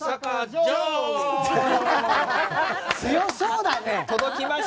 強そうだね。